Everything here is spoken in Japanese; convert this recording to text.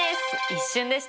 一瞬でしたね！